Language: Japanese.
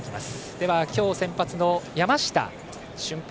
では今日先発の山下舜平